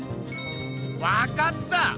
わかった！